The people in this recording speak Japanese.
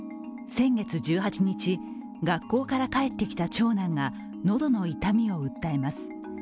先月１８日、学校から帰ってきた長男が喉の痛みを訴えます。